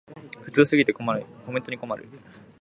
普通すぎてコメントに困る